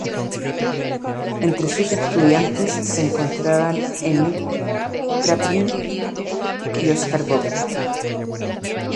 Entre sus estudiantes se encontraban Emil Kraepelin y Oskar Vogt.